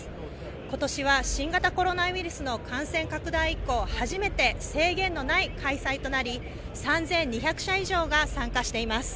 ことしは新型コロナウイルスの感染拡大以降初めて制限のない開催となり、３２００社以上が参加しています。